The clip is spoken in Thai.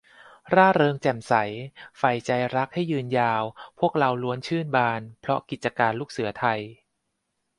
ร่าเริงแจ่มใส ใฝ่ใจรักให้ยืนนาน พวกเราล้วนชื่นบาน เพราะกิจการลูกเสือไทย